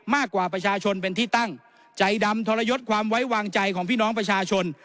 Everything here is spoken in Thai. มากกว่าประชาชนเป็นที่ตั้งใจดำทรยศความไว้วางใจของพี่น้องประชาชน